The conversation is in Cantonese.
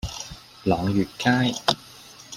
朗月街